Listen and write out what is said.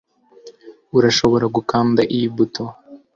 Urashobora gukanda iyi buto